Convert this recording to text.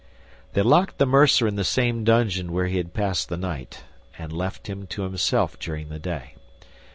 They locked the mercer in the same dungeon where he had passed the night, and left him to himself during the day.